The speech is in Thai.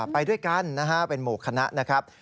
ไปด้วยกันนะครับเป็นโหมดคณะนะครับ